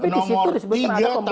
nomor tiga tahun dua ribu